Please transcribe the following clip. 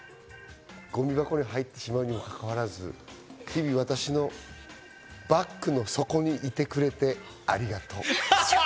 ポケットティッシュさん、将来、ごみ箱に入ってしまうにもかかわらず、日々、私のバッグの底にいてくれてありがとう。